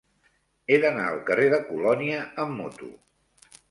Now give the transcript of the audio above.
He d'anar al carrer de Colònia amb moto.